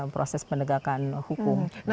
proses penegakan hukum